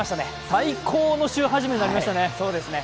最高の週初めになりましたね。